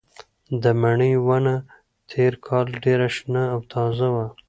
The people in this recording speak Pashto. د مڼې ونه تېر کال ډېره شنه او تازه وه.